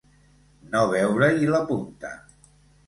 No veure-hi la punta.